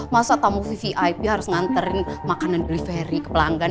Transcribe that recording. masa tamu vvip harus nganterin makanan gliferi ke pelanggan